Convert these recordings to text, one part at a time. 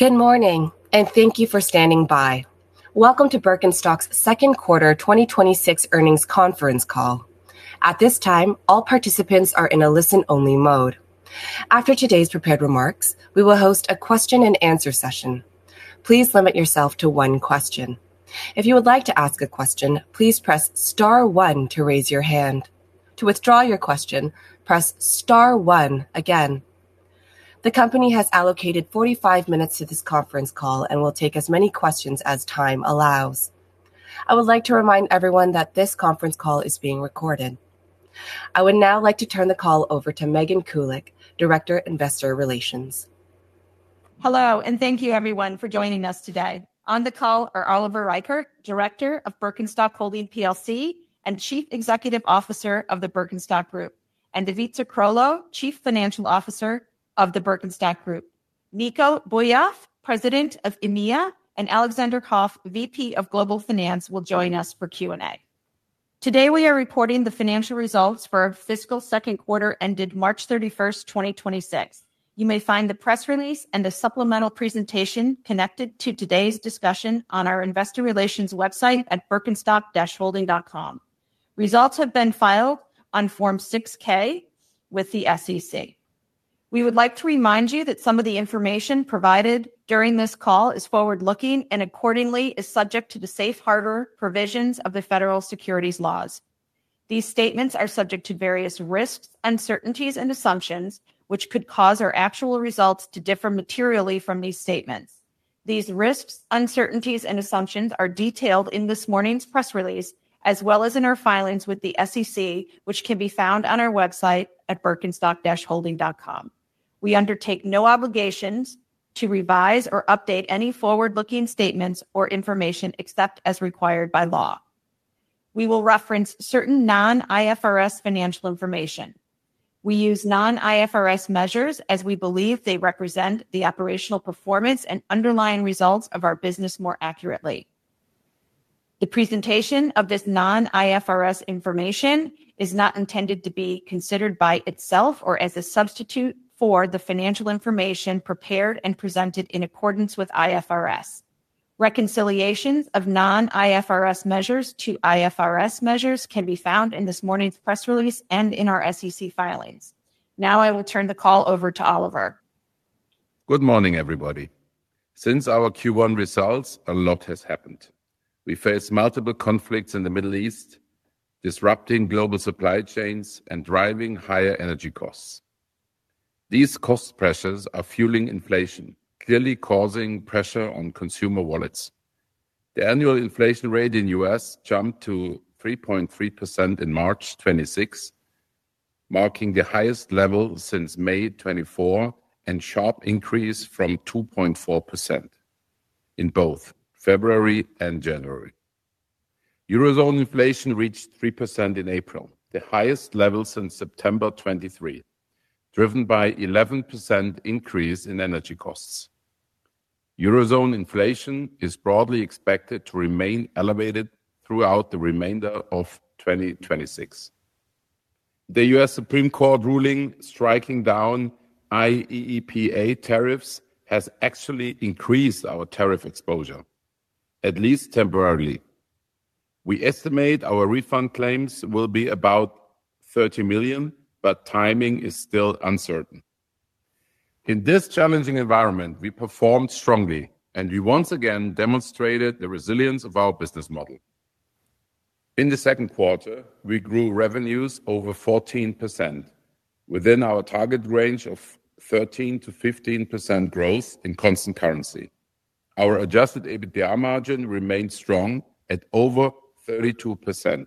Good morning. Thank you for standing by. Welcome to Birkenstock's Second Quarter 2026 Earnings conference call. At this time, all participants are in a listen-only mode. After today's prepared remarks, we will host a question and answer session. Please limit yourself to one question. If you would like to ask a question, please press star one to raise your hand. To withdraw your question, press star one again. The company has allocated 45 minutes to this conference call and will take as many questions as time allows. I would like to remind everyone that this conference call is being recorded. I would now like to turn the call over to Megan Kulick, Director of Investor Relations. Hello, and thank you everyone for joining us today. On the call are Oliver Reichert, Director of Birkenstock Holding plc and Chief Executive Officer of the Birkenstock Group, and Ivica Krolo, Chief Financial Officer of the Birkenstock Group. Nico Bouyakhf, President of EMEA, and Alexander Hoff, VP of Global Finance, will join us for Q&A. Today we are reporting the financial results for our fiscal second quarter ended March 31st, 2026. You may find the press release and the supplemental presentation connected to today's discussion on our investor relations website at birkenstock-holding.com. Results have been filed on Form 6-K with the SEC. We would like to remind you that some of the information provided during this call is forward-looking and accordingly is subject to the safe harbor provisions of the federal securities laws. These statements are subject to various risks, uncertainties and assumptions which could cause our actual results to differ materially from these statements. These risks, uncertainties, and assumptions are detailed in this morning's press release, as well as in our filings with the SEC, which can be found on our website at birkenstock-holding.com. We undertake no obligations to revise or update any forward-looking statements or information except as required by law. We will reference certain non-IFRS financial information. We use non-IFRS measures as we believe they represent the operational performance and underlying results of our business more accurately. The presentation of this non-IFRS information is not intended to be considered by itself or as a substitute for the financial information prepared and presented in accordance with IFRS. Reconciliations of non-IFRS measures to IFRS measures can be found in this morning's press release and in our SEC filings. Now I will turn the call over to Oliver. Good morning, everybody. Since our Q1 results, a lot has happened. We face multiple conflicts in the Middle East, disrupting global supply chains and driving higher energy costs. These cost pressures are fueling inflation, clearly causing pressure on consumer wallets. The annual inflation rate in the U.S. jumped to 3.3% in March 2026, marking the highest level since May 2024 and a sharp increase from 2.4% in both February and January. Eurozone inflation reached 3% in April, the highest level since September 2023, driven by 11% increase in energy costs. Eurozone inflation is broadly expected to remain elevated throughout the remainder of 2026. The U.S. Supreme Court ruling striking down IEEPA tariffs has actually increased our tariff exposure, at least temporarily. We estimate our refund claims will be about 30 million, but timing is still uncertain. In this challenging environment, we performed strongly. We once again demonstrated the resilience of our business model. In the second quarter, we grew revenues over 14% within our target range of 13%-15% growth in constant currency. Our adjusted EBITDA margin remained strong at over 32%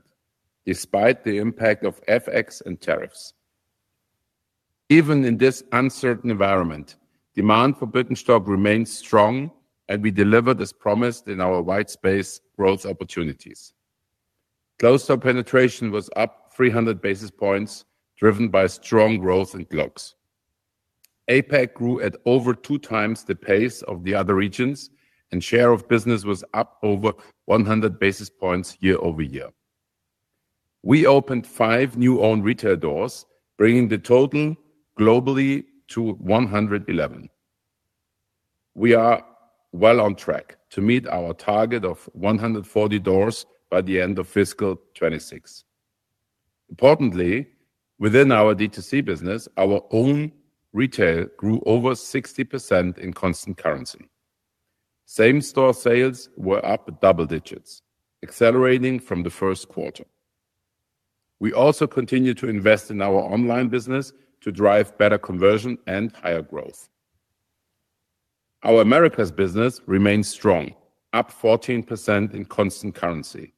despite the impact of FX and tariffs. Even in this uncertain environment, demand for Birkenstock remains strong. We delivered as promised in our white space growth opportunities. Closed toe penetration was up 300 basis points, driven by strong growth in clogs. APAC grew at over 2x the pace of the other regions. Share of business was up over 100 basis points year-over-year. We opened 5 new owned retail doors, bringing the total globally to 111. We are well on track to meet our target of 140 doors by the end of fiscal 2026. Importantly, within our D2C business, our own retail grew over 60% in constant currency. Same store sales were up double digits, accelerating from the first quarter. We also continued to invest in our online business to drive better conversion and higher growth. Our Americas business remains strong, up 14% in constant currency.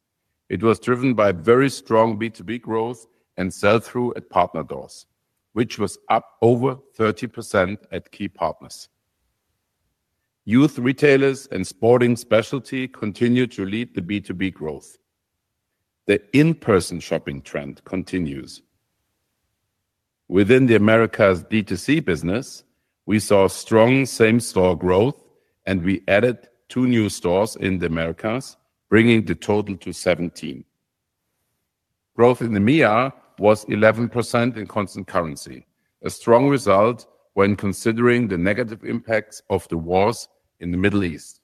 It was driven by very strong B2B growth and sell-through at partner doors, which was up over 30% at key partners. Youth retailers and sporting specialty continued to lead the B2B growth. The in-person shopping trend continues. Within the Americas D2C business, we saw strong same-store growth, and we added two new stores in the Americas, bringing the total to 17. Growth in EMEA was 11% in constant currency. A strong result when considering the negative impacts of the wars in the Middle East.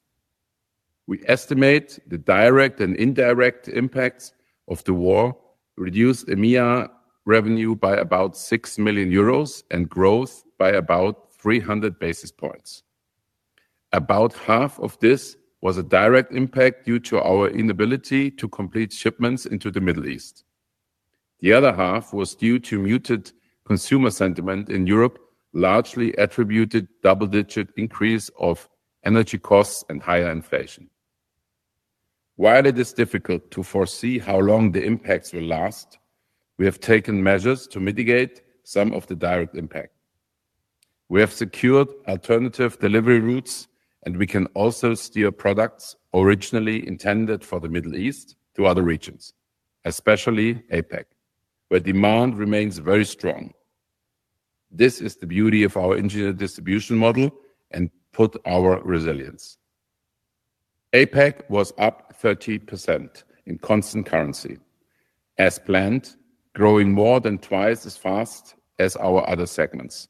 We estimate the direct and indirect impacts of the war reduce EMEA revenue by about 6 million euros and growth by about 300 basis points. About half of this was a direct impact due to our inability to complete shipments into the Middle East. The other half was due to muted consumer sentiment in Europe, largely attributed double-digit increase of energy costs and higher inflation. While it is difficult to foresee how long the impacts will last, we have taken measures to mitigate some of the direct impact. We have secured alternative delivery routes, and we can also steer products originally intended for the Middle East to other regions, especially APAC, where demand remains very strong. This is the beauty of our engineered distribution model and proves our resilience. APAC was up 30% in constant currency. As planned, growing more than twice as fast as our other segments.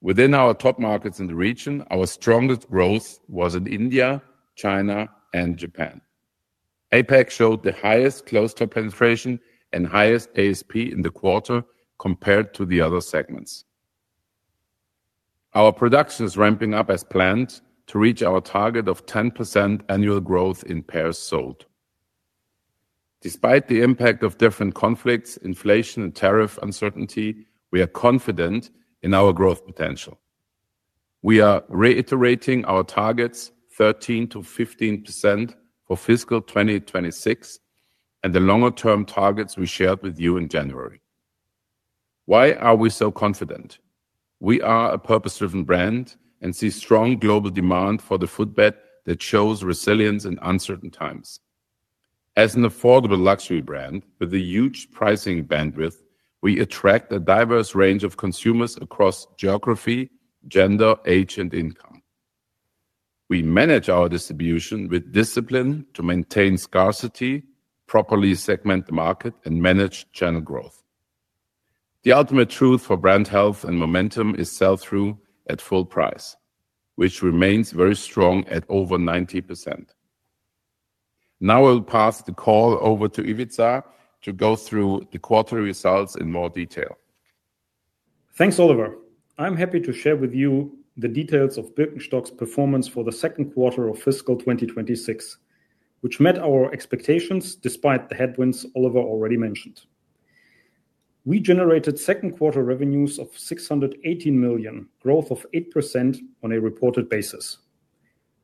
Within our top markets in the region, our strongest growth was in India, China, and Japan. APAC showed the highest closed-toe penetration and highest ASP in the quarter compared to the other segments. Our production is ramping up as planned to reach our target of 10% annual growth in pairs sold. Despite the impact of different conflicts, inflation, and tariff uncertainty, we are confident in our growth potential. We are reiterating our targets 13%-15% for fiscal 2026 and the longer-term targets we shared with you in January. Why are we so confident? We are a purpose-driven brand and see strong global demand for the footbed that shows resilience in uncertain times. As an affordable luxury brand with a huge pricing bandwidth, we attract a diverse range of consumers across geography, gender, age, and income. We manage our distribution with discipline to maintain scarcity, properly segment the market, and manage channel growth. The ultimate truth for brand health and momentum is sell-through at full price, which remains very strong at over 90%. I will pass the call over to Ivica to go through the quarter results in more detail. Thanks, Oliver. I am happy to share with you the details of Birkenstock’s performance for the second quarter of fiscal 2026, which met our expectations despite the headwinds Oliver already mentioned. We generated second-quarter revenues of 680 million, growth of 8% on a reported basis.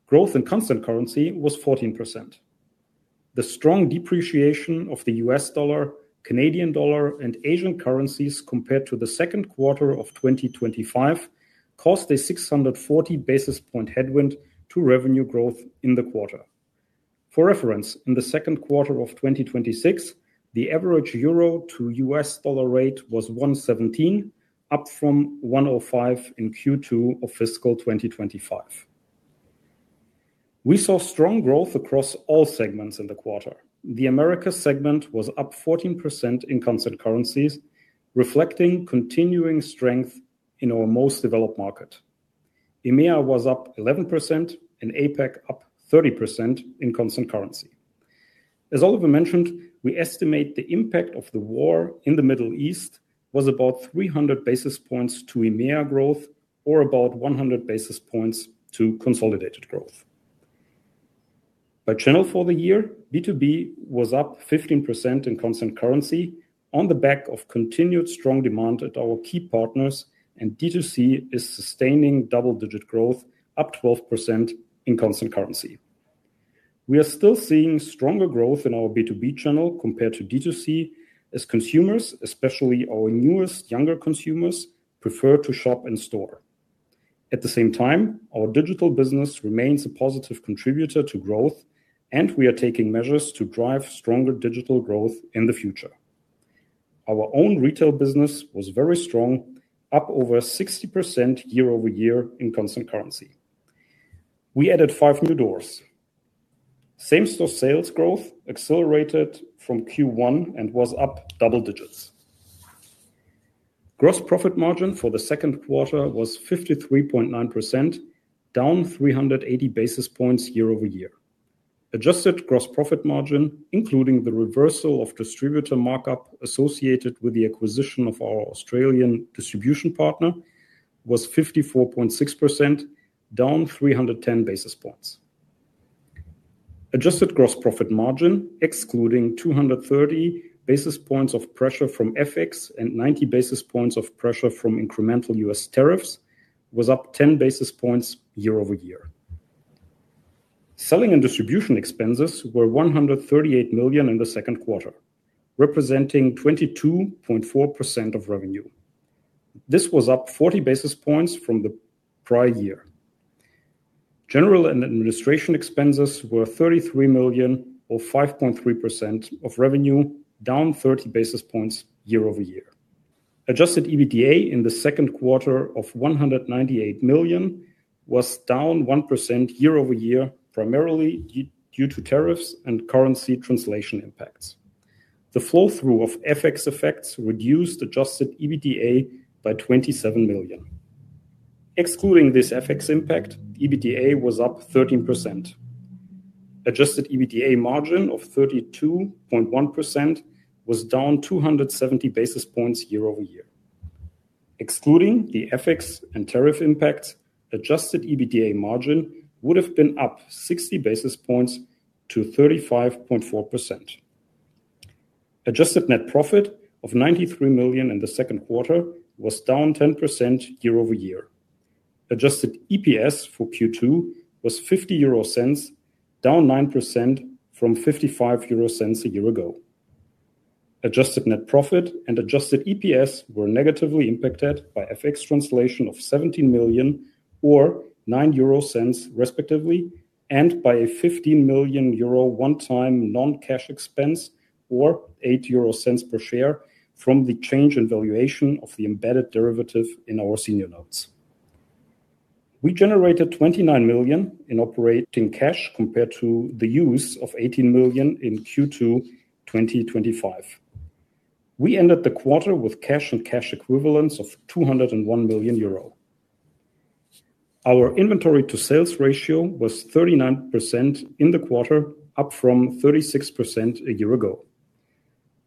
Growth in constant currency was 14%. The strong depreciation of the U.S. dollar, Canadian dollar, and Asian currencies compared to the second quarter of 2025 cost a 640 basis point headwind to revenue growth in the quarter. For reference, in the second quarter of 2026, the average euro to U.S. dollar rate was 1.17, up from 1.05 in Q2 of fiscal 2025. We saw strong growth across all segments in the quarter. The Americas segment was up 14% in constant currencies, reflecting continuing strength in our most developed market. EMEA was up 11% and APAC up 30% in constant currency. As Oliver mentioned, we estimate the impact of the war in the Middle East was about 300 basis points to EMEA growth or about 100 basis points to consolidated growth. By channel for the year, B2B was up 15% in constant currency on the back of continued strong demand at our key partners, and D2C is sustaining double-digit growth, up 12% in constant currency. We are still seeing stronger growth in our B2B channel compared to D2C as consumers, especially our newest younger consumers, prefer to shop in store. At the same time, our digital business remains a positive contributor to growth, and we are taking measures to drive stronger digital growth in the future. Our own retail business was very strong, up over 60% year-over-year in constant currency. We added five new doors. Same-store sales growth accelerated from Q1 and was up double digits. Gross profit margin for the second quarter was 53.9%, down 380 basis points year-over-year. Adjusted gross profit margin, including the reversal of distributor markup associated with the acquisition of our Australian distribution partner, was 54.6%, down 310 basis points. Adjusted gross profit margin, excluding 230 basis points of pressure from FX and 90 basis points of pressure from incremental U.S. tariffs, was up 10 basis points year-over-year. Selling and distribution expenses were 138 million in the second quarter, representing 22.4% of revenue. This was up 40 basis points from the prior year. General and administration expenses were 33 million or 5.3% of revenue, down 30 basis points year-over-year. Adjusted EBITDA in the second quarter of 198 million was down 1% year-over-year, primarily due to tariffs and currency translation impacts. The flow-through of FX effects reduced adjusted EBITDA by 27 million. Excluding this FX impact, EBITDA was up 13%. Adjusted EBITDA margin of 32.1% was down 270 basis points year-over-year. Excluding the FX and tariff impacts, adjusted EBITDA margin would have been up 60 basis points to 35.4%. Adjusted net profit of 93 million in the second quarter was down 10% year-over-year. Adjusted EPS for Q2 was 0.50, down 9% from 0.55 a year ago. Adjusted net profit and adjusted EPS were negatively impacted by FX translation of 17 million or 0.09 respectively, and by a 15 million euro one-time non-cash expense or 0.08 per share from the change in valuation of the embedded derivative in our senior notes. We generated 29 million in operating cash compared to the use of 18 million in Q2 2025. We ended the quarter with cash and cash equivalents of 201 million euro. Our inventory to sales ratio was 39% in the quarter, up from 36% a year ago.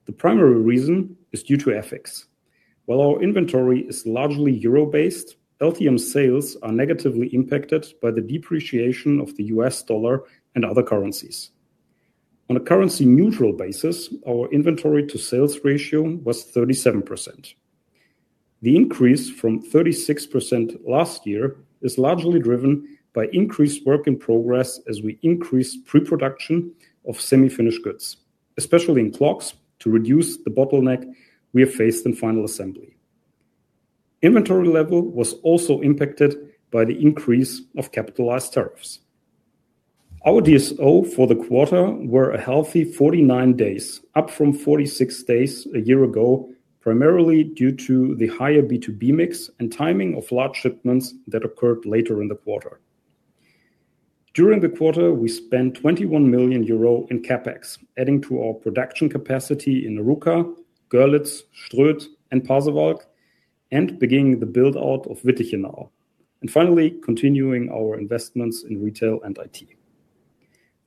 The primary reason is due to FX. While our inventory is largely euro-based, LTM sales are negatively impacted by the depreciation of the US dollar and other currencies. On a currency neutral basis, our inventory to sales ratio was 37%. The increase from 36% last year is largely driven by increased work in progress as we increase pre-production of semi-finished goods, especially in clogs to reduce the bottleneck we have faced in final assembly. Inventory level was also impacted by the increase of capitalized tariffs. Our DSO for the quarter were a healthy 49 days, up from 46 days a year ago, primarily due to the higher B2B mix and timing of large shipments that occurred later in the quarter. During the quarter, we spent 21 million euro in CapEx, adding to our production capacity in Arouca, Görlitz, Ströth, and Pasewalk, beginning the build-out of Wittichenau. Finally, continuing our investments in retail and IT.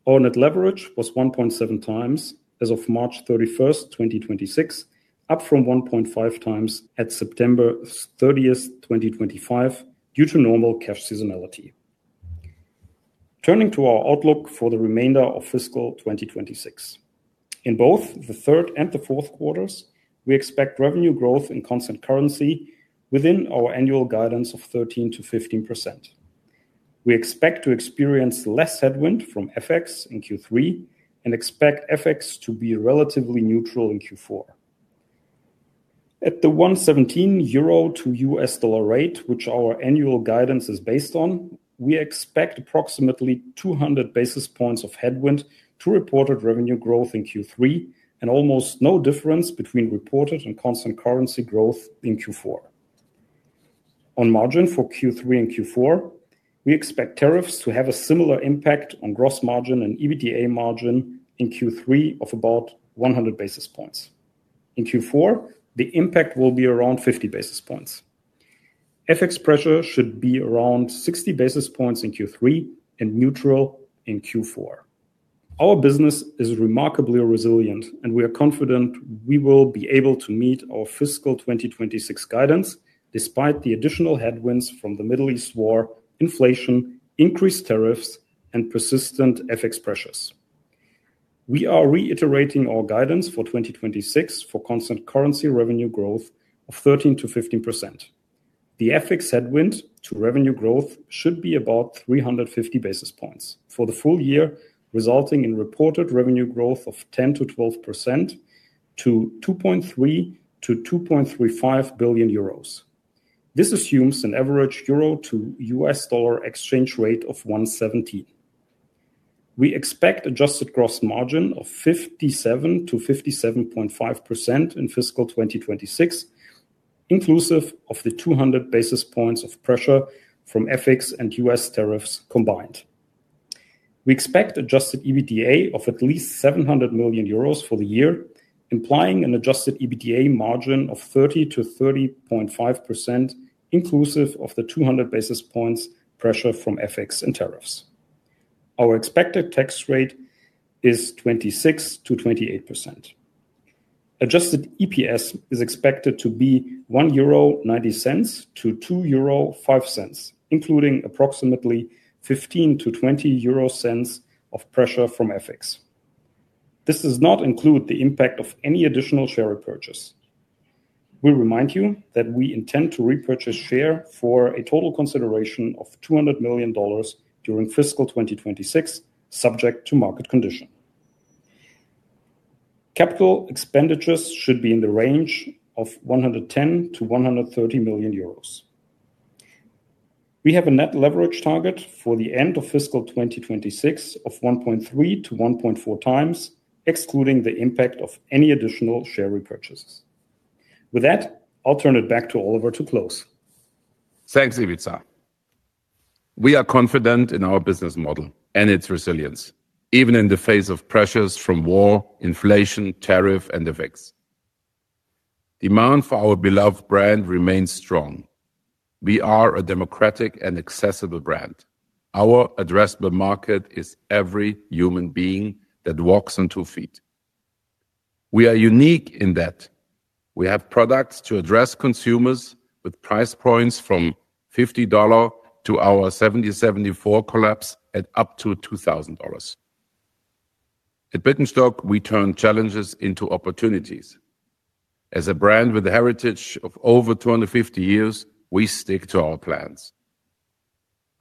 Our net leverage was 1.7x as of March 31, 2026, up from 1.5x at September 30, 2025 due to normal cash seasonality. Turning to our outlook for the remainder of fiscal 2026. In both the third and the fourth quarters, we expect revenue growth in constant currency within our annual guidance of 13%-15%. We expect to experience less headwind from FX in Q3 and expect FX to be relatively neutral in Q4. At the 1.17 euro to U.S. dollar rate, which our annual guidance is based on, we expect approximately 200 basis points of headwind to reported revenue growth in Q3 and almost no difference between reported and constant currency growth in Q4. On margin for Q3 and Q4, we expect tariffs to have a similar impact on gross margin and EBITDA margin in Q3 of about 100 basis points. In Q4, the impact will be around 50 basis points. FX pressure should be around 60 basis points in Q3 and neutral in Q4. Our business is remarkably resilient. We are confident we will be able to meet our fiscal 2026 guidance despite the additional headwinds from the Middle East war, inflation, increased tariffs, and persistent FX pressures. We are reiterating our guidance for 2026 for constant currency revenue growth of 13%-15%. The FX headwind to revenue growth should be about 350 basis points for the full year, resulting in reported revenue growth of 10%-12% to 2.3 billion-2.35 billion euros. This assumes an average euro to U.S. dollar exchange rate of 1.70. We expect adjusted gross margin of 57%-57.5% in fiscal 2026, inclusive of the 200 basis points of pressure from FX and U.S. tariffs combined. We expect adjusted EBITDA of at least 700 million euros for the year, implying an adjusted EBITDA margin of 30%-30.5% inclusive of the 200 basis points pressure from FX and tariffs. Our expected tax rate is 26%-28%. Adjusted EPS is expected to be 1.90-2.05 euro, including approximately 0.15-0.20 euro of pressure from FX. This does not include the impact of any additional share repurchase. We remind you that we intend to repurchase share for a total consideration of $200 million during fiscal 2026, subject to market condition. Capital expenditures should be in the range of 110 million-130 million euros. We have a net leverage target for the end of fiscal 2026 of 1.3x-1.4x, excluding the impact of any additional share repurchases. With that, I'll turn it back to Oliver to close. Thanks, Ivica. We are confident in our business model and its resilience, even in the face of pressures from war, inflation, tariffs and FX. Demand for our beloved brand remains strong. We are a democratic and accessible brand. Our addressable market is every human being that walks on two feet. We are unique in that we have products to address consumers with price points from $50 to our 1774 collection at up to $2,000. At Birkenstock, we turn challenges into opportunities. As a brand with a heritage of over 250 years, we stick to our plans,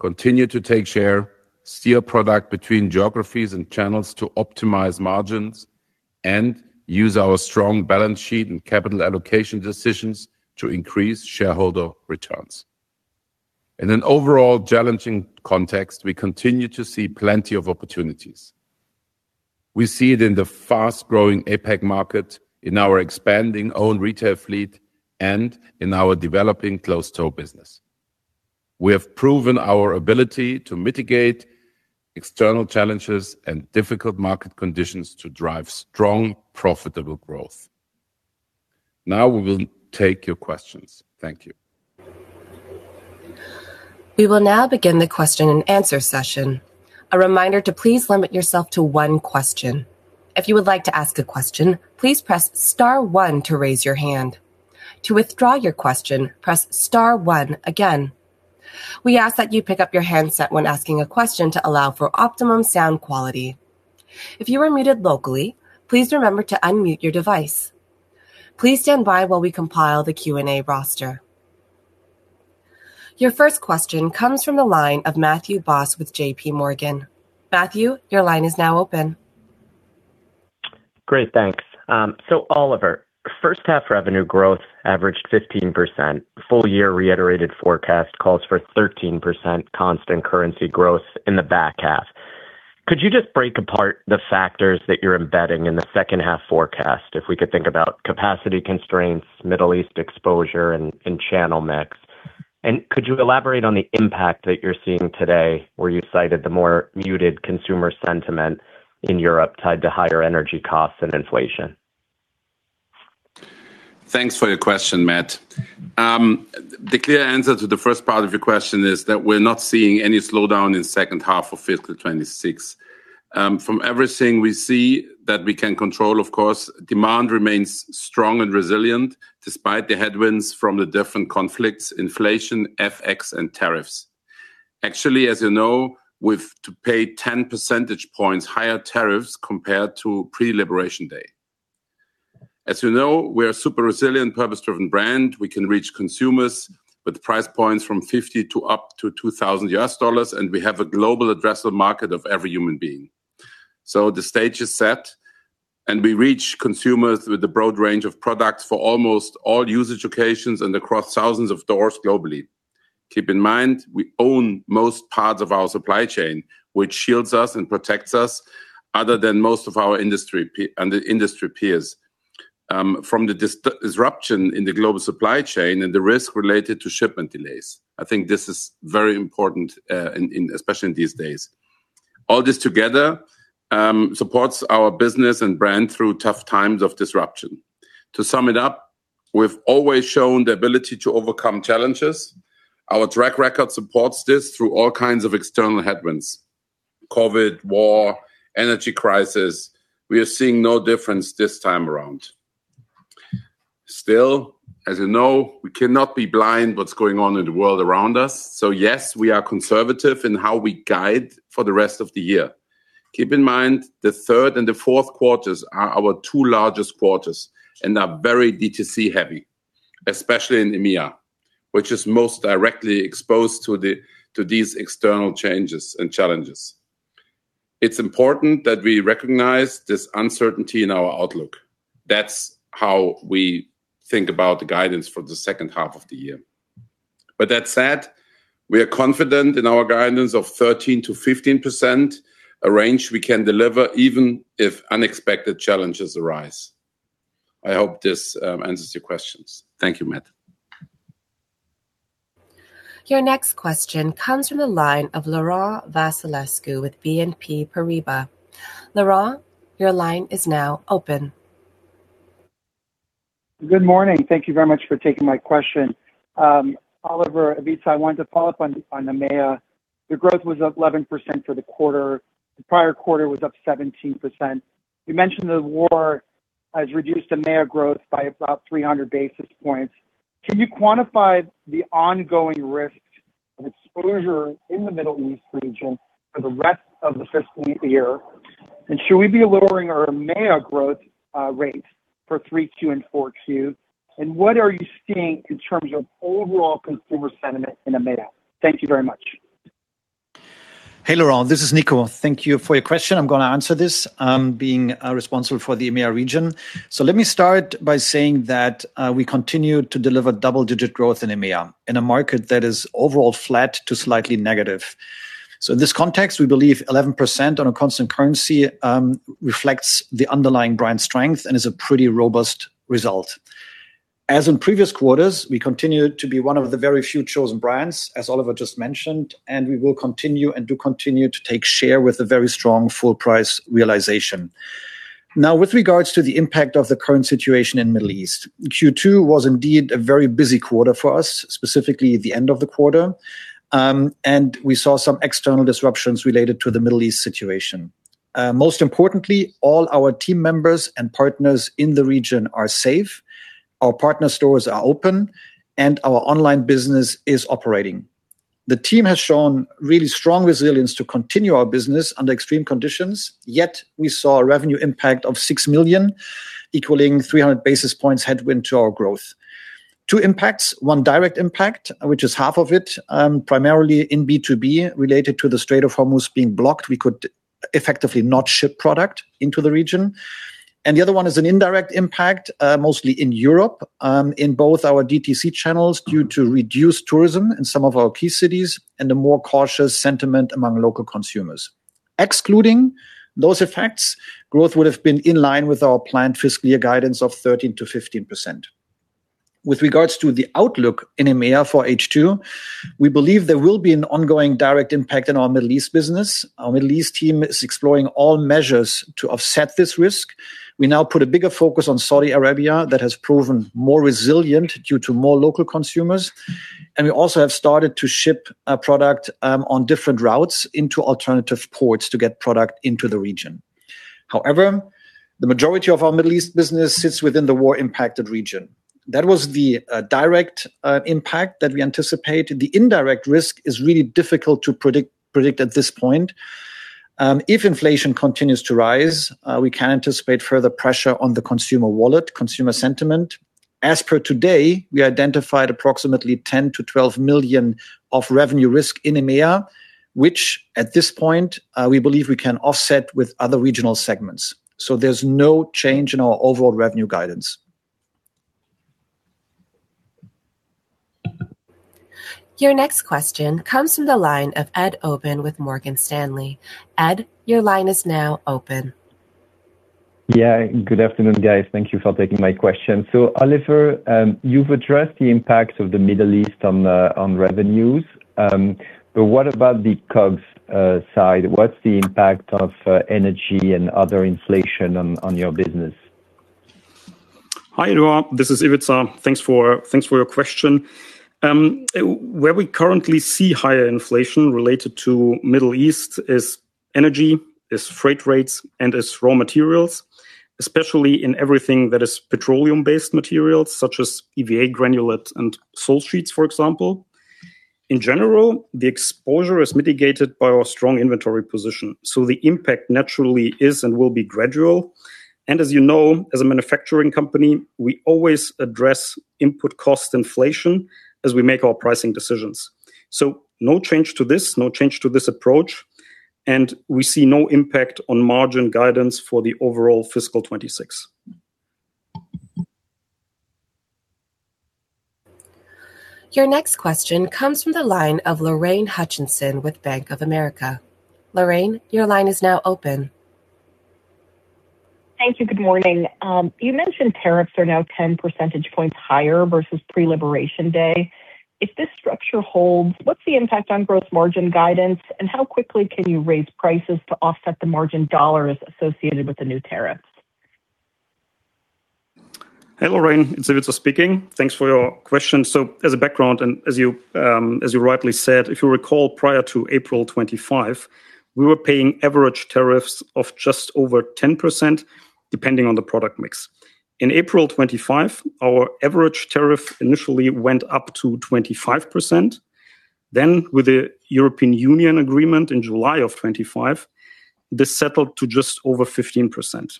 continue to take share, steer product between geographies and channels to optimize margins, and use our strong balance sheet and capital allocation decisions to increase shareholder returns. In an overall challenging context, we continue to see plenty of opportunities. We see it in the fast-growing APAC market, in our expanding own retail fleet, and in our developing closed-toe business. We have proven our ability to mitigate external challenges and difficult market conditions to drive strong, profitable growth. Now we will take your questions. Thank you. We will now begin the question-and-answer session. A reminder to please limit yourself to one question. If you would like to ask a question, please press star one to raise your hand. To withdraw your question, press star one again. We ask that you pick up your handset when asking a question to allow for optimum sound quality. If you were muted locally, please remember to unmute your device. Please stand by while we compile the Q&A roster. Your first question comes from the line of Matthew Boss with JPMorgan. Matthew, your line is now open. Great, thanks. Oliver, first half revenue growth averaged 15%. Full year reiterated forecast calls for 13% constant currency growth in the back half. Could you just break apart the factors that you're embedding in the second half forecast, if we could think about capacity constraints, Middle East exposure, and channel mix? Could you elaborate on the impact that you're seeing today, where you cited the more muted consumer sentiment in Europe tied to higher energy costs and inflation? Thanks for your question, Matt. The clear answer to the first part of your question is that we're not seeing any slowdown in second half of fiscal 2026. From everything we see that we can control, of course, demand remains strong and resilient despite the headwinds from the different conflicts, inflation, FX and tariffs. Actually, as you know, we've to pay 10 percentage points higher tariffs compared to pre-Liberation Day. As you know, we are a super resilient, purpose-driven brand. We can reach consumers with price points from $50 to up to $2,000, and we have a global addressable market of every human being. The stage is set, and we reach consumers with a broad range of products for almost all use occasions and across thousands of doors globally. Keep in mind, we own most parts of our supply chain, which shields us and protects us other than most of our industry peers and the industry peers from the disruption in the global supply chain and the risk related to shipment delays. I think this is very important, especially in these days. All this together supports our business and brand through tough times of disruption. To sum it up, we've always shown the ability to overcome challenges. Our track record supports this through all kinds of external headwinds: COVID, war, energy crisis. We are seeing no difference this time around. Still, as you know, we cannot be blind what's going on in the world around us. Yes, we are conservative in how we guide for the rest of the year. Keep in mind, the third and the fourth quarters are our two largest quarters and are very D2C heavy, especially in EMEA, which is most directly exposed to these external changes and challenges. It's important that we recognize this uncertainty in our outlook. That's how we think about the guidance for the second half of the year. That said, we are confident in our guidance of 13%-15%, a range we can deliver even if unexpected challenges arise. I hope this answers your questions. Thank you, Matthew. Your next question comes from the line of Laurent Vasilescu with BNP Paribas. Laurent, your line is now open. Good morning. Thank you very much for taking my question. Oliver, Ivica, I wanted to follow up on EMEA. Your growth was up 11% for the quarter. The prior quarter was up 17%. You mentioned the war has reduced EMEA growth by about 300 basis points. Can you quantify the ongoing risk of exposure in the Middle East region for the rest of the fiscal year? Should we be lowering our EMEA growth rate for 3Q and 4Q? What are you seeing in terms of overall consumer sentiment in EMEA? Thank you very much. Hey, Laurent, this is Nico. Thank you for your question. I'm gonna answer this, being responsible for the EMEA region. Let me start by saying that we continue to deliver double-digit growth in EMEA in a market that is overall flat to slightly negative. In this context, we believe 11% on a constant currency reflects the underlying brand strength and is a pretty robust result. As in previous quarters, we continue to be one of the very few chosen brands, as Oliver just mentioned, and we will continue and do continue to take share with a very strong full price realization. Now, with regards to the impact of the current situation in Middle East, Q2 was indeed a very busy quarter for us, specifically the end of the quarter. We saw some external disruptions related to the Middle East situation. Most importantly, all our team members and partners in the region are safe, our partner stores are open, and our online business is operating. The team has shown really strong resilience to continue our business under extreme conditions, yet we saw a revenue impact of 6 million, equaling 300 basis points headwind to our growth. Two impacts. One direct impact, which is half of it, primarily in B2B, related to the Strait of Hormuz being blocked. We could effectively not ship product into the region. The other one is an indirect impact, mostly in Europe, in both our DTC channels due to reduced tourism in some of our key cities and a more cautious sentiment among local consumers. Excluding those effects, growth would have been in line with our planned fiscal year guidance of 13%-15%. With regards to the outlook in EMEA for H2, we believe there will be an ongoing direct impact in our Middle East business. Our Middle East team is exploring all measures to offset this risk. We now put a bigger focus on Saudi Arabia that has proven more resilient due to more local consumers, and we also have started to ship product on different routes into alternative ports to get product into the region. However, the majority of our Middle East business sits within the war-impacted region. That was the direct impact that we anticipated. The indirect risk is really difficult to predict at this point. If inflation continues to rise, we can anticipate further pressure on the consumer wallet, consumer sentiment. As per today, we identified approximately 10 million- 12 million of revenue risk in EMEA, which at this point, we believe we can offset with other regional segments. There's no change in our overall revenue guidance. Your next question comes from the line of Ed Aubin with Morgan Stanley. Ed, your line is now open. Good afternoon, guys. Thank you for taking my question. Oliver, you've addressed the impacts of the Middle East on revenues. What about the COGS side? What's the impact of energy and other inflation on your business? Hi, Edouard. This is Ivica. Thanks for your question. Where we currently see higher inflation related to Middle East is energy, is freight rates, and is raw materials, especially in everything that is petroleum-based materials such as EVA granulate and sole sheets, for example. In general, the exposure is mitigated by our strong inventory position. The impact naturally is and will be gradual. As you know, as a manufacturing company, we always address input cost inflation as we make our pricing decisions. No change to this, no change to this approach, and we see no impact on margin guidance for the overall fiscal 2026. Your next question comes from the line of Lorraine Hutchinson with Bank of America. Lorraine, your line is now open. Thank you. Good morning. You mentioned tariffs are now 10 percentage points higher versus pre-Liberation Day. If this structure holds, what's the impact on gross margin guidance, and how quickly can you raise prices to offset the margin dollars associated with the new tariffs? Hey, Lorraine, Ivica speaking. Thanks for your question. As a background and as you, as you rightly said, if you recall, prior to April 2025, we were paying average tariffs of just over 10% depending on the product mix. In April 2025, our average tariff initially went up to 25%. With the European Union agreement in July of 2025, this settled to just over 15%.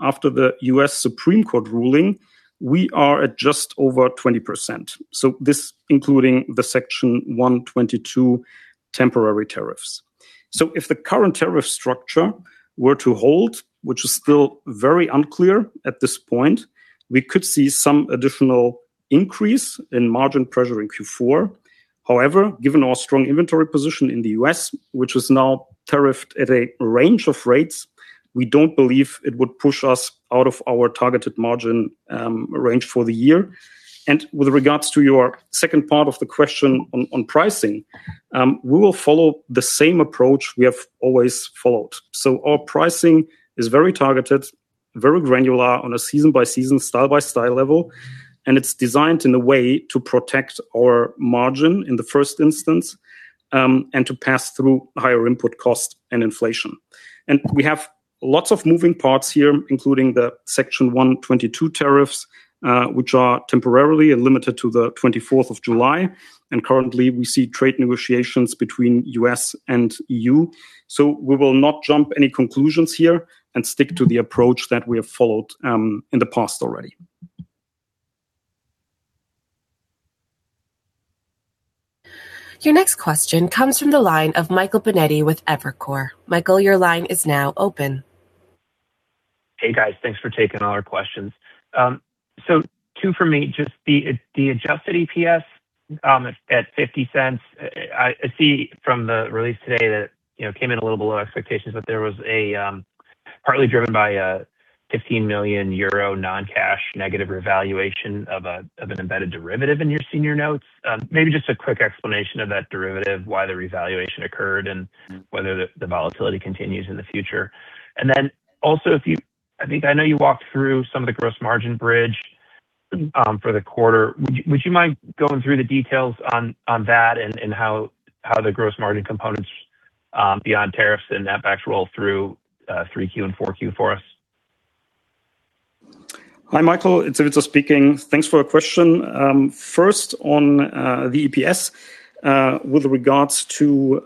After the U.S. Supreme Court ruling, we are at just over 20%, so this including the Section 122 temporary tariffs. If the current tariff structure were to hold, which is still very unclear at this point, we could see some additional increase in margin pressure in Q4. However, given our strong inventory position in the U.S., which is now tariffed at a range of rates, we don't believe it would push us out of our targeted margin range for the year. With regards to your second part of the question on pricing, we will follow the same approach we have always followed. Our pricing is very targeted, very granular on a season-by-season, style-by-style level, and it's designed in a way to protect our margin in the first instance, and to pass through higher input cost and inflation. We have lots of moving parts here, including the Section 122 tariffs, which are temporarily limited to the 24th of July, and currently, we see trade negotiations between U.S. and EU. We will not jump any conclusions here and stick to the approach that we have followed in the past already. Your next question comes from the line of Michael Binetti with Evercore. Michael, your line is now open. Hey, guys. Thanks for taking all our questions. Two for me. The adjusted EPS at 0.50. I see from the release today that, you know, came in a little below expectations, but there was a partly driven by a 15 million euro non-cash negative revaluation of an embedded derivative in your senior notes. A quick explanation of that derivative, why the revaluation occurred, and whether the volatility continues in the future. I think I know you walked through some of the gross margin bridge for the quarter. Would you mind going through the details on that and how the gross margin components beyond tariffs and that backs roll through 3Q and 4Q for us? Hi, Michael. It's Ivica speaking. Thanks for your question. First on the EPS with regards to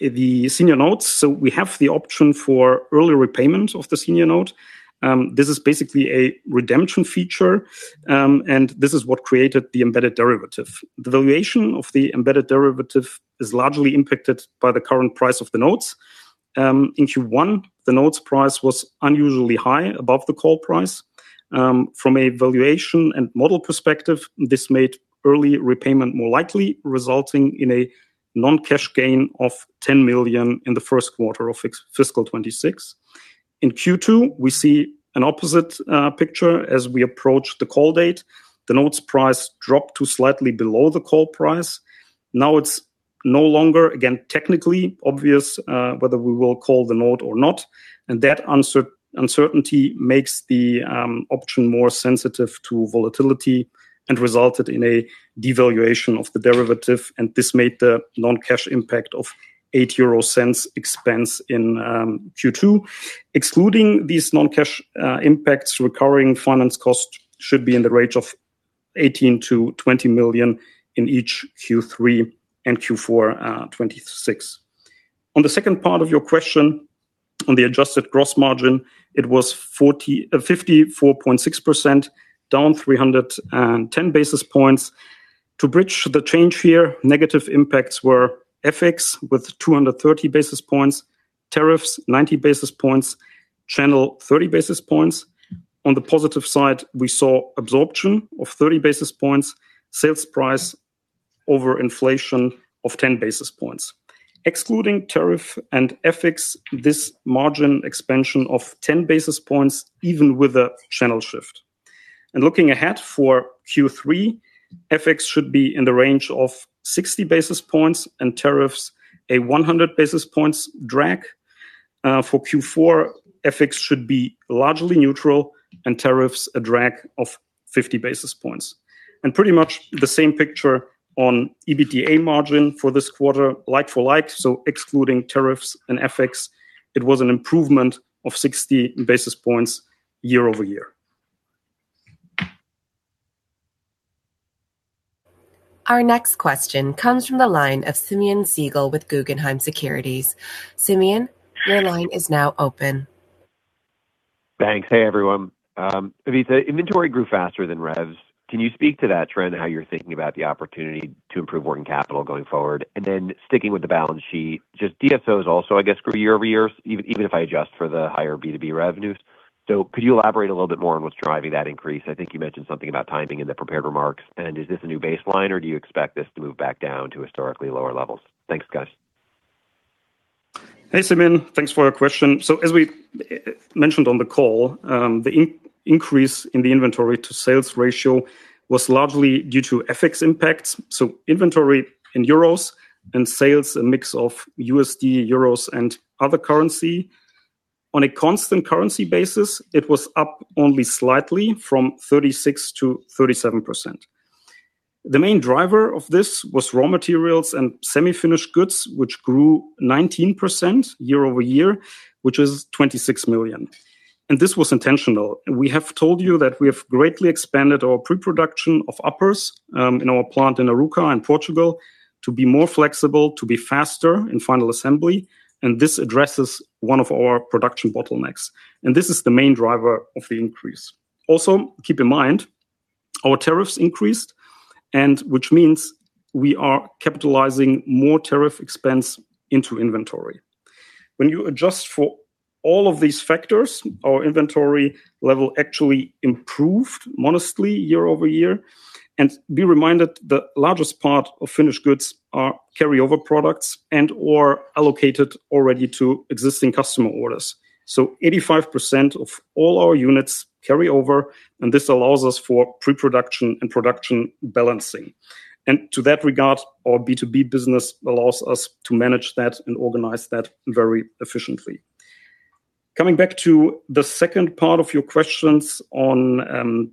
the senior notes. We have the option for early repayment of the senior note. This is basically a redemption feature, and this is what created the embedded derivative. The valuation of the embedded derivative is largely impacted by the current price of the notes. In Q1, the notes price was unusually high above the call price. From a valuation and model perspective, this made early repayment more likely, resulting in a non-cash gain of 10 million in the 1st quarter of fiscal 2026. In Q2, we see an opposite picture as we approach the call date. The notes price dropped to slightly below the call price. Now it's no longer, again, technically obvious whether we will call the note or not, and that uncertainty makes the option more sensitive to volatility and resulted in a devaluation of the derivative, and this made the non-cash impact of 0.08 expense in Q2. Excluding these non-cash impacts, recurring finance cost should be in the range of 18 million-20 million in each Q3 and Q4 2026. On the second part of your question, on the adjusted gross margin, it was 54.6%, down 310 basis points. To bridge the change here, negative impacts were FX with 230 basis points, tariffs 90 basis points, channel 30 basis points. On the positive side, we saw absorption of 30 basis points, sales price over inflation of 10 basis points. Excluding tariff and FX, this margin expansion of 10 basis points even with a channel shift. Looking ahead for Q3, FX should be in the range of 60 basis points and tariffs a 100 basis points drag. For Q4, FX should be largely neutral and tariffs a drag of 50 basis points. Pretty much the same picture on EBITDA margin for this quarter, like for like, so excluding tariffs and FX, it was an improvement of 60 basis points year-over-year. Our next question comes from the line of Simeon Siegel with Guggenheim Securities. Simeon, your line is now open. Thanks. Hey, everyone. Ivica, inventory grew faster than revs. Can you speak to that trend, how you're thinking about the opportunity to improve working capital going forward? Then sticking with the balance sheet, just DSOs also, I guess, grew year-over-year, even if I adjust for the higher B2B revenues. Could you elaborate a little bit more on what's driving that increase? I think you mentioned something about timing in the prepared remarks. Is this a new baseline, or do you expect this to move back down to historically lower levels? Thanks, guys. Hey, Simeon. Thanks for your question. As we mentioned on the call, the increase in the inventory to sales ratio was largely due to FX impacts, so inventory in euros and sales, a mix of USD, euros, and other currency. On a constant currency basis, it was up only slightly from 36% to 37%. The main driver of this was raw materials and semi-finished goods, which grew 19% year-over-year, which is 26 million. This was intentional. We have told you that we have greatly expanded our pre-production of uppers in our plant in Arouca, in Portugal, to be more flexible, to be faster in final assembly, and this addresses one of our production bottlenecks. This is the main driver of the increase. Also, keep in mind, our tariffs increased and which means we are capitalizing more tariff expense into inventory. When you adjust for all of these factors, our inventory level actually improved modestly year-over-year. Be reminded, the largest part of finished goods are carryover products and/or allocated already to existing customer orders. 85% of all our units carry over, and this allows us for pre-production and production balancing. To that regard, our B2B business allows us to manage that and organize that very efficiently. Coming back to the second part of your questions on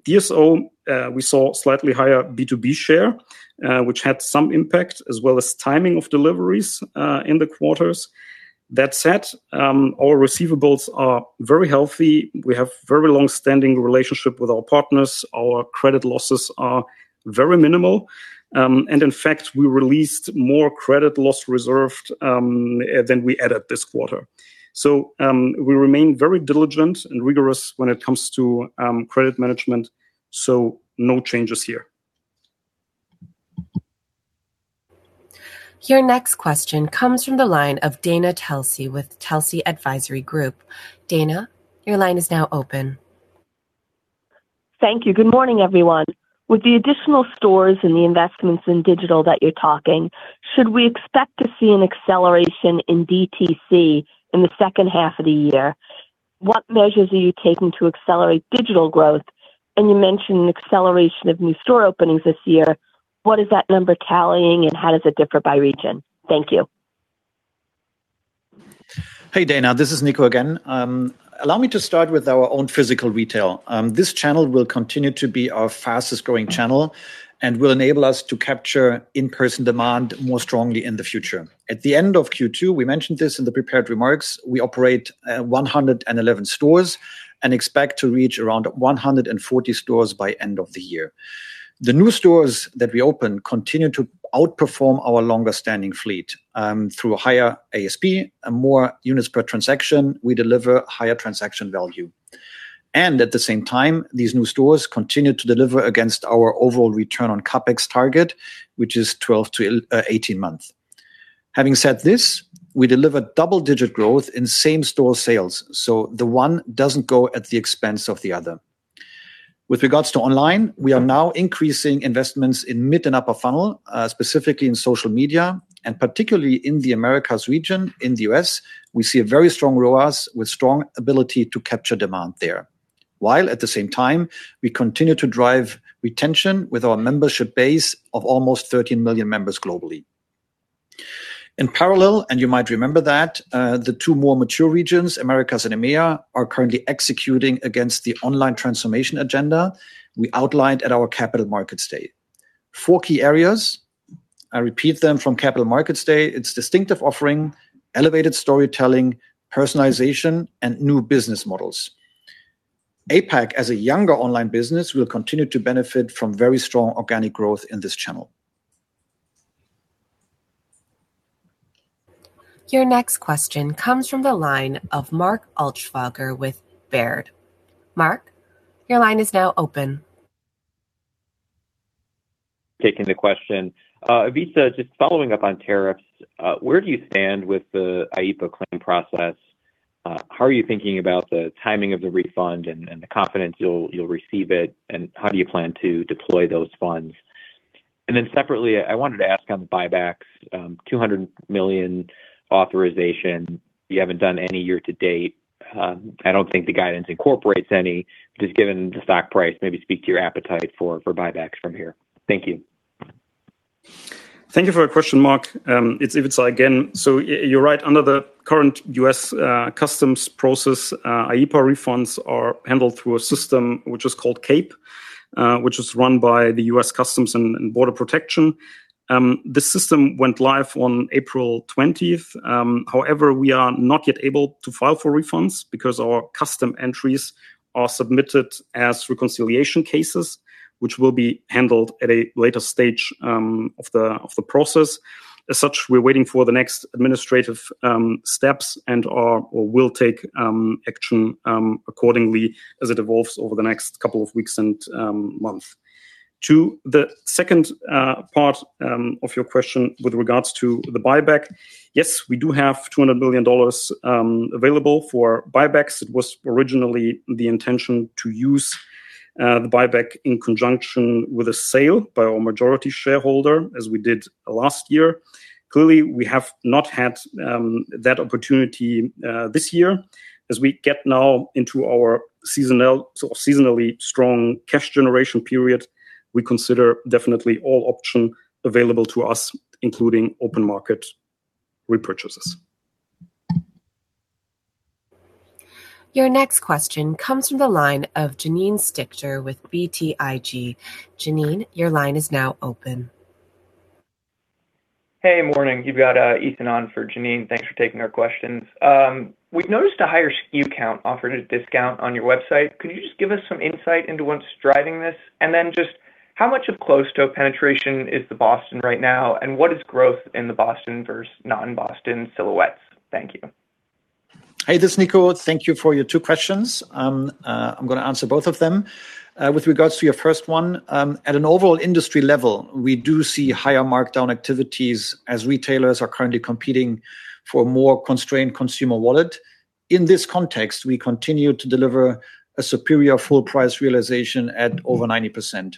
DSO, we saw slightly higher B2B share, which had some impact, as well as timing of deliveries in the quarters. That said, our receivables are very healthy. We have very long-standing relationship with our partners. Our credit losses are very minimal. In fact, we released more credit loss reserved than we added this quarter. We remain very diligent and rigorous when it comes to credit management, so no changes here. Your next question comes from the line of Dana Telsey with Telsey Advisory Group. Dana, your line is now open. Thank you. Good morning, everyone. With the additional stores and the investments in digital that you're talking, should we expect to see an acceleration in DTC in the second half of the year? What measures are you taking to accelerate digital growth? You mentioned an acceleration of new store openings this year. What is that number tallying, and how does it differ by region? Thank you. Hey, Dana. This is Nico again. Allow me to start with our own physical retail. This channel will continue to be our fastest-growing channel and will enable us to capture in-person demand more strongly in the future. At the end of Q2, we mentioned this in the prepared remarks, we operate 111 stores and expect to reach around 140 stores by end of the year. The new stores that we opened continue to outperform our longer-standing fleet, through higher ASP and more units per transaction, we deliver higher transaction value. At the same time, these new stores continue to deliver against our overall return on CapEx target, which is 12 months-18 months. Having said this, we delivered double-digit growth in same-store sales, the one doesn't go at the expense of the other. With regards to online, we are now increasing investments in mid and upper funnel, specifically in social media, and particularly in the Americas region, in the U.S., we see a very strong ROAS with strong ability to capture demand there. While at the same time, we continue to drive retention with our membership base of almost 13 million members globally. In parallel, you might remember that the two more mature regions, Americas and EMEA, are currently executing against the online transformation agenda we outlined at our capital markets day. four key areas, I repeat them from capital markets day, it's distinctive offering, elevated storytelling, personalization, and new business models. APAC, as a younger online business, will continue to benefit from very strong organic growth in this channel. Your next question comes from the line of Mark Altschwager with Baird. Mark, your line is now open. Taking the question. Ivica, just following up on tariffs, where do you stand with the IEEPA claim process? How are you thinking about the timing of the refund and the confidence you'll receive it? How do you plan to deploy those funds? Separately, I wanted to ask on the buybacks, 200 million authorization. You haven't done any year to date. I don't think the guidance incorporates any. Just given the stock price, maybe speak to your appetite for buybacks from here. Thank you. Thank you for your question, Mark. It's Ivica again. You're right. Under the current U.S. customs process, IEEPA refunds are handled through a system which is called CAPE, which is run by the U.S. Customs and Border Protection. The system went live on April 20th. However, we are not yet able to file for refunds because our custom entries are submitted as reconciliation cases, which will be handled at a later stage of the process. As such, we're waiting for the next administrative steps and are or will take action accordingly as it evolves over the next couple of weeks and month. To the second part of your question with regards to the buyback, yes, we do have $200 million available for buybacks. It was originally the intention to use the buyback in conjunction with a sale by our majority shareholder, as we did last year. Clearly, we have not had that opportunity this year. As we get now into our seasonally strong cash generation period, we consider definitely all options available to us, including open market repurchases. Your next question comes from the line of Janine Stichter with BTIG. Janine, your line is now open. Hey, morning. You've got Ethan on for Janine. Thanks for taking our questions. We've noticed a higher SKU count offered at a discount on your website. Could you just give us some insight into what's driving this? Just how much of closed-toe penetration is the Boston right now, and what is growth in the Boston versus non-Boston silhouettes? Thank you. Hey, this Nico. Thank you for your two questions. I'm gonna answer both of them. With regards to your first one, at an overall industry level, we do see higher markdown activities as retailers are currently competing for more constrained consumer wallet. In this context, we continue to deliver a superior full price realization at over 90%.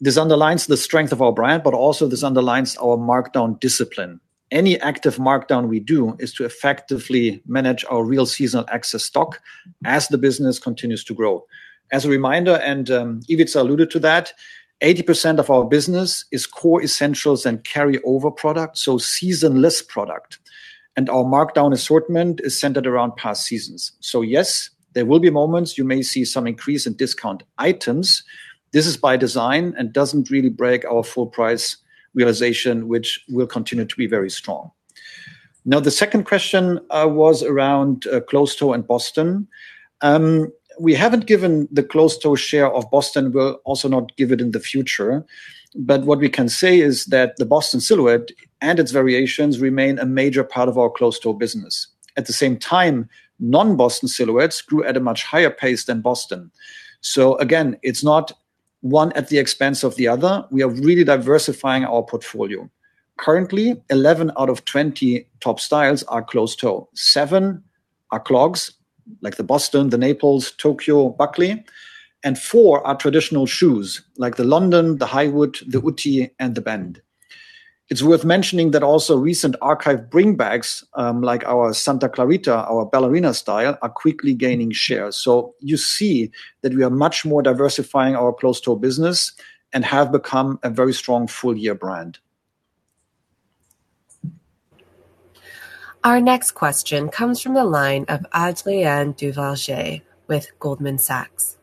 This underlines the strength of our brand, but also this underlines our markdown discipline. Any active markdown we do is to effectively manage our real seasonal excess stock as the business continues to grow. As a reminder, and Ivica alluded to that, 80% of our business is core essentials and carry-over product, so season-less product. Our markdown assortment is centered around past seasons. Yes, there will be moments you may see some increase in discount items. This is by design and doesn't really break our full price realization, which will continue to be very strong. The second question was around closed-toe and Boston. We haven't given the closed-toe share of Boston. We'll also not give it in the future. What we can say is that the Boston silhouette and its variations remain a major part of our closed-toe business. At the same time, non-Boston silhouettes grew at a much higher pace than Boston. Again, it's not one at the expense of the other. We are really diversifying our portfolio. Currently, 11 out of 20 top styles are closed-toe, seven are clogs, like the Boston, the Naples, Tokio, Buckley. Four are traditional shoes, like the London, the Highwood, the Ooty, and the Bend. It's worth mentioning that also recent archive bringbacks, like our Santa Clarita, our ballerina style, are quickly gaining shares. You see that we are much more diversifying our closed-toe business and have become a very strong full-year brand. Our next question comes from the line of Adrien Duverger with Goldman Sachs.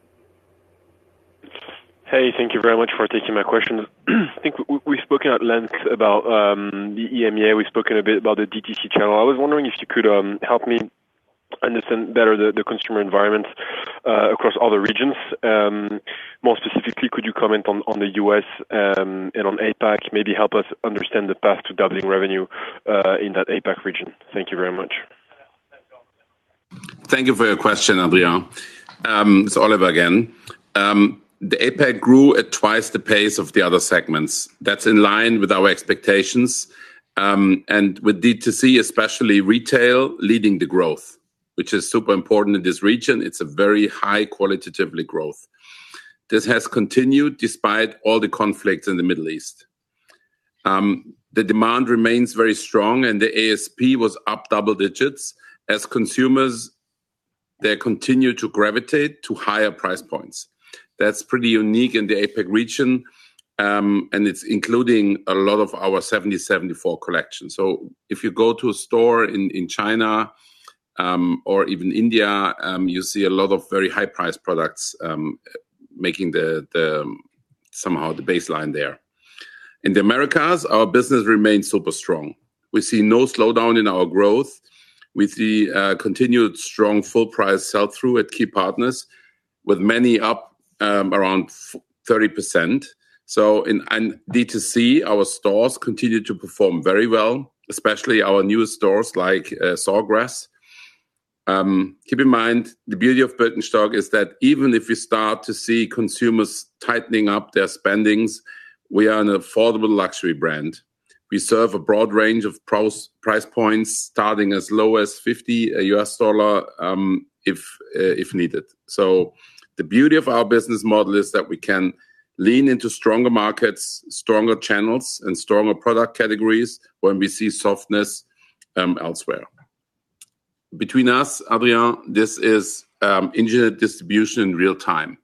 Hey, thank you very much for taking my question. I think we've spoken at length about the EMEA. We've spoken a bit about the DTC channel. I was wondering if you could help me understand better the consumer environment across other regions. More specifically, could you comment on the U.S. and on APAC, maybe help us understand the path to doubling revenue in that APAC region. Thank you very much. Thank you for your question, Adrien. It's Oliver again. The APAC grew at twice the pace of the other segments. That's in line with our expectations, and with D2C, especially retail leading the growth, which is super important in this region. It's a very high qualitatively growth. This has continued despite all the conflicts in the Middle East. The demand remains very strong, the ASP was up double digits as consumers, they continue to gravitate to higher price points. That's pretty unique in the APAC region, it's including a lot of our 1774 collection. If you go to a store in China, or even India, you see a lot of very high-priced products, making the somehow the baseline there. In the Americas, our business remains super strong. We see no slowdown in our growth. We see continued strong full-price sell-through at key partners, with many up around 30%. In and DTC, our stores continue to perform very well, especially our newer stores like Sawgrass. Keep in mind, the beauty of Birkenstock is that even if we start to see consumers tightening up their spendings, we are an affordable luxury brand. We serve a broad range of price points, starting as low as $50, if needed. The beauty of our business model is that we can lean into stronger markets, stronger channels, and stronger product categories when we see softness elsewhere. Between us, Adrien, this is engineered distribution in real time.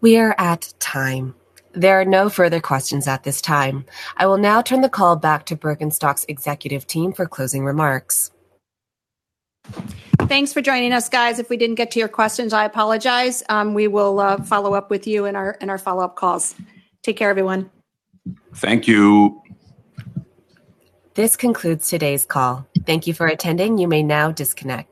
We are at time. There are no further questions at this time. I will now turn the call back to Birkenstock's executive team for closing remarks. Thanks for joining us, guys. If we didn't get to your questions, I apologize. We will follow up with you in our follow-up calls. Take care, everyone. Thank you. This concludes today's call. Thank you for attending. You may now disconnect.